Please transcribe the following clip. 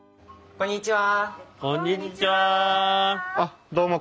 こんにちは。